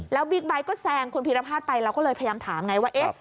แล้วบิ๊กบไร้ก็แซงคุณภีรพาสไปเราก็เลยพยายามถามว่า